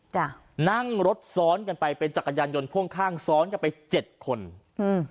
นั่งรถซ้อนกันไปเป็นจักรยานยนต์พ่วงข้างซ้อนกันไปเจ็ดคนอืม